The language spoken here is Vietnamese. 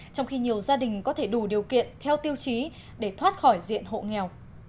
trong khi nhiều gia đình có thể đủ điều kiện theo tiêu chí để thoát khỏi diện hộ nghèo